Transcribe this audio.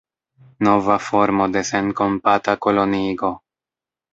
Nova formo de senkompata koloniigo.